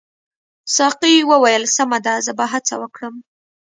ساقي وویل سمه ده زه به هڅه وکړم.